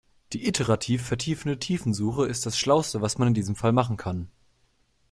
Die iterativ vertiefende Tiefensuche ist das schlauste, was man in diesem Fall machen kann.